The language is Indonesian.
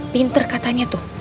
pinter katanya tuh